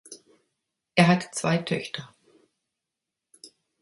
Er hat zwei Töchter.